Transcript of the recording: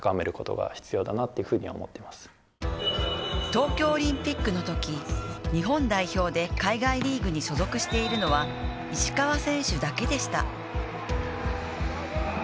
東京オリンピックのとき日本代表で海外リーグに所属しているのは石川選手だけでした。